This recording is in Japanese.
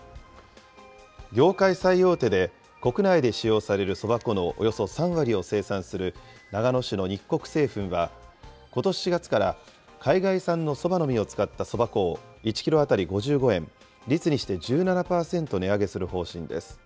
業界最大手で、国内で使用されるそば粉のおよそ３割を生産する、長野市の日穀製粉は、ことし４月から海外産のそばの実を使ったそば粉を１キロ当たり５５円、率にして１７％値上げする方針です。